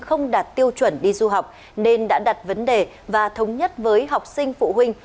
không đạt tiêu chuẩn đi du học nên đã đặt vấn đề và thống nhất với học sinh phụ huynh